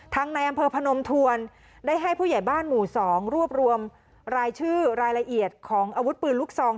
ในอำเภอพนมทวนได้ให้ผู้ใหญ่บ้านหมู่๒รวบรวมรายชื่อรายละเอียดของอาวุธปืนลูกซอง